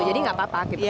jadi gak apa apa gitu